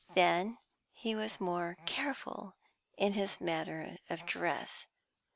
Then, he was more careful in the matter of dress.